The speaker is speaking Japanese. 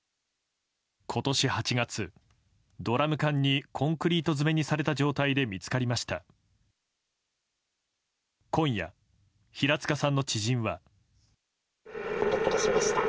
今年８月、ドラム缶にコンクリート詰めにされた状態で見つかりました。